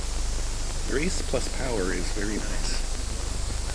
Grace plus power is very nice.